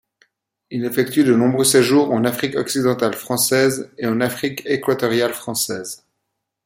Il effectue de nombreux séjours en Afrique-Occidentale française et en Afrique-Équatoriale française.